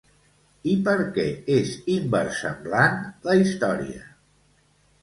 I per què és inversemblant la història?